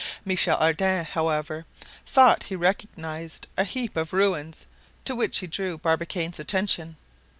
Michel Ardan, however, thought he recognized a heap of ruins, to which he drew Barbicane's attention.